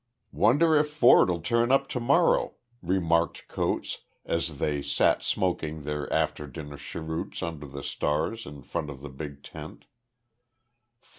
"Wonder if Ford'll turn up to morrow," remarked Coates, as they sat smoking their after dinner cheroots under the stars in front of the big tent.